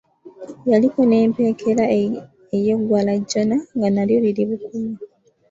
Yaliko n’empeekera ey’eggwalajjana nga nalyo liri bukunya.